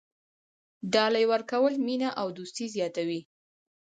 ډالۍ ورکول مینه او دوستي زیاتوي.